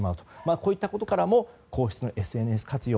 こういったことからも皇室のＳＮＳ活用